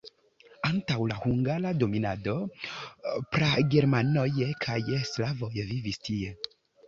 Antaŭ la hungara dominado pragermanoj kaj slavoj vivis tie.